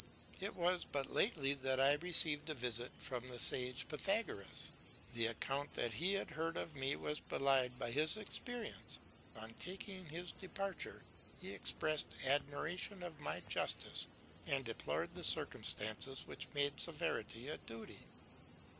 It was but lately that I received a visit from the sage Pythagoras. The account that he had heard of me was belied by his experience; and on taking his departure he expressed admiration of my justice, and deplored the circumstances which made severity a duty.